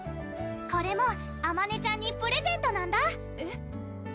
これもあまねちゃんにプレゼントなんだえっ？